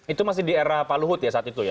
itu masih di era pak luhut ya saat itu ya